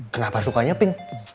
kenapa sukanya pink